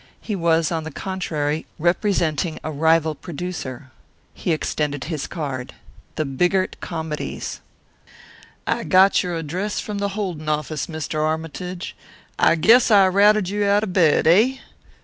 He was, on the contrary, representing a rival producer. He extended his card The Bigart Comedies. "I got your address from the Holden office, Mr. Armytage. I guess I routed you out of bed, eh?